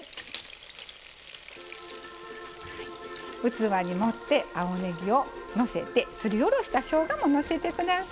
器に盛って青ねぎをのせてすりおろしたしょうがものせて下さい。